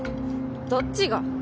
どっちが？